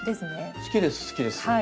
好きです好きです。